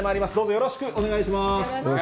よろしくお願いします。